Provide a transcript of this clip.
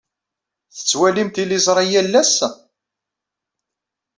Tettwalim tiliẓri yal ass?